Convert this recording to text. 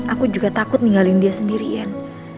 aku juga takut ninggalin dia sendirian